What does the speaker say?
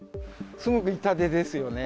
すごく痛手ですよね。